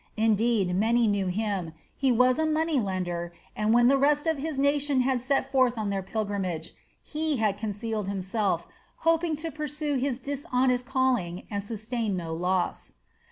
Indeed, many knew him, he was a money lender and when the rest of his nation had set forth on their pilgrimage, he had concealed himself, hoping to pursue his dishonest calling and sustain no loss.